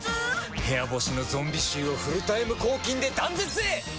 部屋干しのゾンビ臭をフルタイム抗菌で断絶へ！